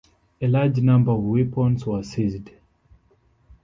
A large number of weapons were seized.